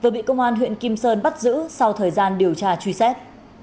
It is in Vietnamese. vừa bị công an huyện kim sơn bắt giữ sau thời gian điều tra truy xét